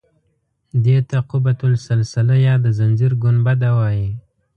دې ته قبة السلسله یا د زنځیر ګنبده وایي.